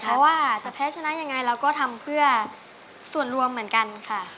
เพราะว่าจะแพ้ชนะยังไงเราก็ทำเพื่อส่วนรวมเหมือนกันค่ะ